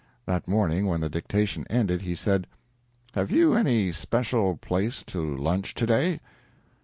That morning when the dictation ended he said: "Have you any special place to lunch, to day?"